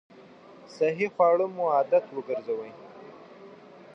صحي خواړه مو عادت وګرځوئ!